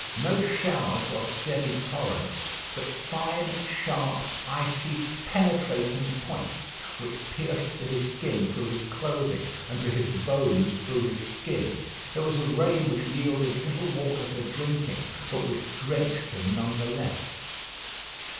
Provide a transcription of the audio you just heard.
No showers or steady torrents, but fine, sharp, icy, penetrating points which pierced to his skin through his clothing, and to his bones through his skin. It was a rain which yielded little water for drinking, but which drenched him none the less.